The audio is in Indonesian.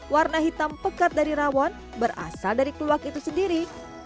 warna hitam pekat dari rawon berasal dari keluak itu sendiri